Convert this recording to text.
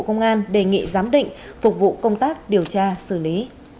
công an đề nghị giám định phục vụ công tác điều tra xử lý